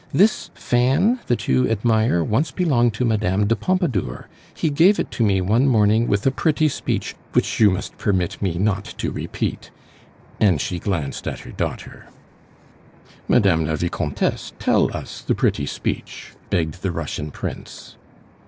This fan that you admire once belonged to Mme. de Pompadour; he gave it to me one morning with a pretty speech which you must permit me not to repeat," and she glanced at her daughter. "Mme. la Vicomtesse, tell us the pretty speech," begged the Russian prince.